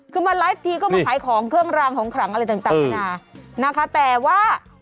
คือมาไลฟ์ทีก็มาขายของเครื่องรางของขลังอะไรต่างนานานะคะแต่ว่า